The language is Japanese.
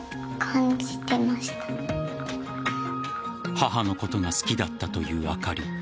母のことが好きだったというあかり。